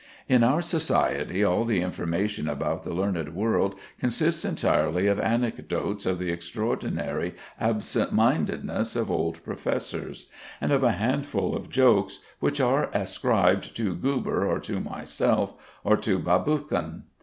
In our society all the information about the learned world consists entirely of anecdotes of the extraordinary absent mindedness of old professors, and of a handful of jokes, which are ascribed to Guber or to myself or to Baboukhin.